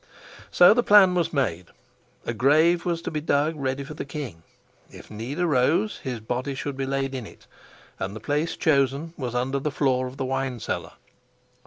So the plan was made. A grave was to be dug ready for the king; if need arose, his body should be laid in it, and the place chosen was under the floor of the wine cellar.